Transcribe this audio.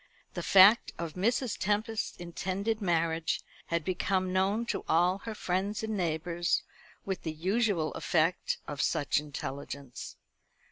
The fact of Mrs. Tempest's intended marriage had become known to all her friends and neighbours, with the usual effect of such intelligence.